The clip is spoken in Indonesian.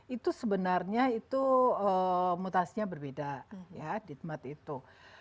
itu sebenarnya mutasinya berbeda di tempat itu